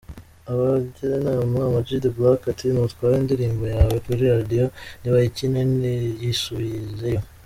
Abagira inama, AmaG the Black, ati “Nutwara indirimbo yawe kuri Radio ntibayikine yisubizeyo.